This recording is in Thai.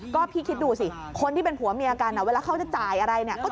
ก็พี่คิดดูสิคนที่เป็นผัวเมียกันเวลาเขาจะจ่ายอะไรเนี่ย